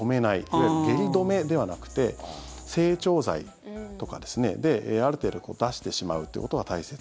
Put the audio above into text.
いわゆる下痢止めではなくて整腸剤とかである程度、出してしまうということが大切。